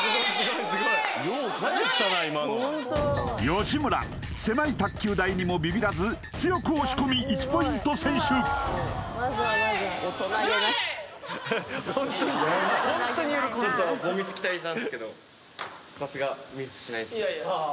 吉村狭い卓球台にもビビらず強く押し込み１ポイント先取ウェイ！